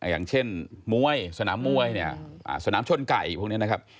อย่างเช่นมวยสนามมวยเนี่ยสนามชนไก่พวกนี้นะครับ